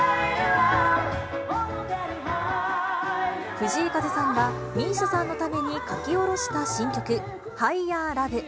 藤井風さんがＭＩＳＩＡさんのために書き下ろした新曲、ハイヤー・ラブ。